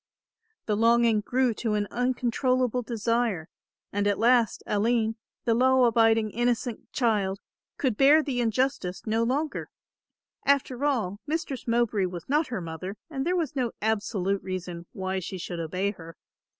The longing grew to an uncontrollable desire and at last Aline, the law abiding innocent child, could bear the injustice no longer. After all, Mistress Mowbray was not her mother and there was no absolute reason why she should obey her.